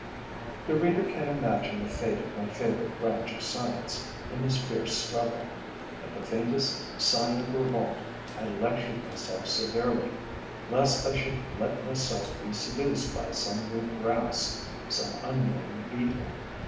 The reader can imagine the fate of my favorite branch of science in this fierce struggle. At the faintest sign of revolt, I lectured myself severely, lest I should let myself be seduced by some new grass, some unknown Beetle.